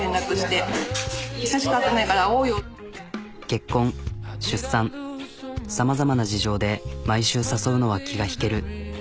結婚出産さまざまな事情で毎週誘うのは気が引ける。